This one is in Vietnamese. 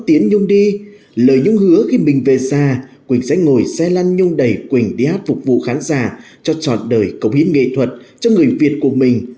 tiến nhung đi lời những hứa khi mình về xa quỳnh sẽ ngồi xe lăn nhung đẩy quỳnh đi hát phục vụ khán giả cho chọn đời cống hiến nghệ thuật cho người việt của mình